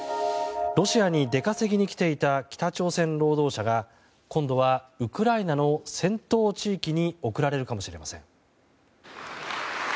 ロシアに出稼ぎに来ていた北朝鮮労働者が今度はウクライナの戦闘地域に送られるかもしれません。